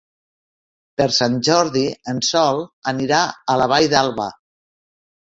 Per Sant Jordi en Sol anirà a la Vall d'Alba.